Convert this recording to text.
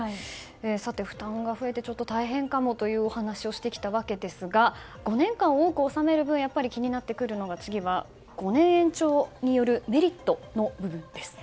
負担が増えてちょっと大変かもという話をしてきたわけですが５年間多く納める分気になってくるのが次は５年延長によるメリットの部分です。